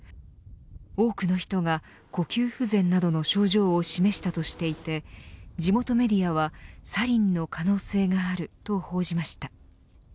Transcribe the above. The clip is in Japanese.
多くの人が呼吸不全などの症状を示したとしていて地元メディアはサリンの可能性があると報じました。